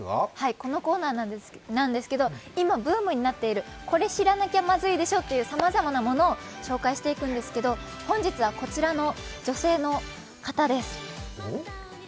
このコーナーなんですけど、今ブームになっている、これ知らなきゃまずいでしょという、さまざまなものを紹介していくんですけど本日はこちらの女性の方です。